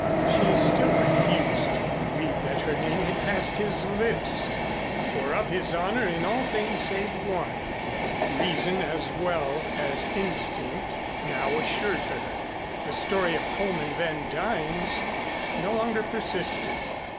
She still refused to believe that her name had passed his lips, for of his honor in all things save one, reason as well as instinct now assured her. The story of Coleman Van Duyn's no longer persisted.